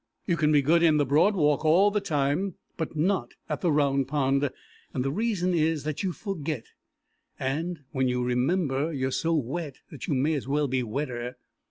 You can be good in the Broad Walk all the time, but not at the Round Pond, and the reason is that you forget, and, when you remember, you are so wet that you may as well be wetter.